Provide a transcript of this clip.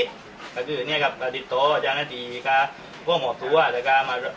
แต่ว่าจริงแล้วก็มันจะเป็นบ